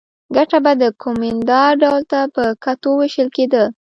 ګټه به د کومېندا ډول ته په کتو وېشل کېده